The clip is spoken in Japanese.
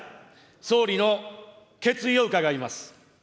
総理の決意を伺います。